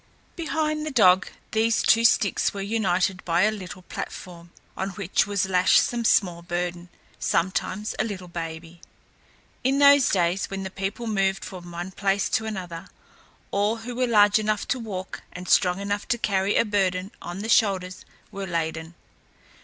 Behind the dog these two sticks were united by a little platform, on which was lashed some small burden sometimes a little baby. In those days, when the people moved from one place to another, all who were large enough to walk and strong enough to carry a burden on the shoulders, were laden.